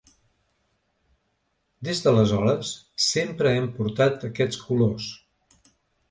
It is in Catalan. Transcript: Des d’aleshores sempre hem portat aquests colors.